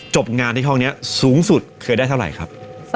จบงานที่ห้องนี้สูงสุดเคยได้เท่าไหร่ครับ